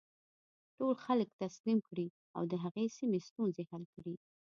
ټول خلک تسلیم کړي او د هغې سیمې ستونزې حل کړي.